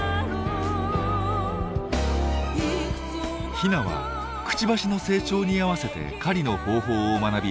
ヒナはクチバシの成長に合わせて狩りの方法を学び